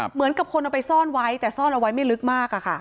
เหมือนกับคนเอาไปซ่อนไว้แต่ซ่อนเอาไว้ไม่ลึกมาก